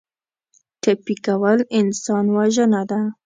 ټپي کول انسان وژنه ده.